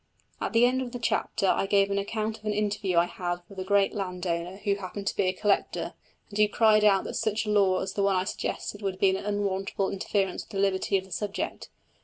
At the end of the chapter I gave an account of an interview I had with a great landowner who happened to be a collector, and who cried out that such a law as the one I suggested would be an unwarrantable interference with the liberty of the subject.